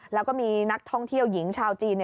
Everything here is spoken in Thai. แล้วก็มีนักท่องเที่ยวหญิงชาวจีน